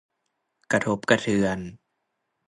กระทบกระเทือน